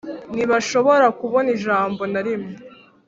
ntibashobora kubona ijambo na rimwe